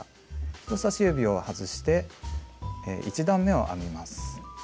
人さし指を外して１段めを編みます。